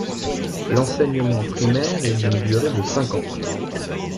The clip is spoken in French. L'enseignement primaire est d'une durée de cinq ans.